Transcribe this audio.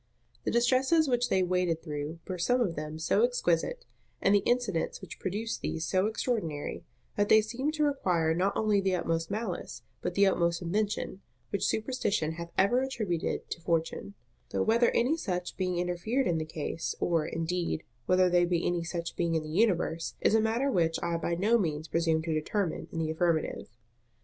The distresses which they waded through were some of them so exquisite, and the incidents which produced these so extraordinary, that they seemed to require not only the utmost malice, but the utmost invention, which superstition hath ever attributed to Fortune: though whether any such being interfered in the case, or, indeed, whether there be any such being in the universe, is a matter which I by no means presume to determine in the affirmative.